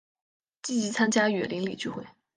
积极参与邻里聚会